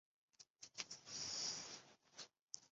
伟鬣兽的体型可以比美蒙古安氏中兽。